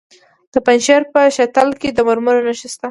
د پنجشیر په شتل کې د مرمرو نښې شته.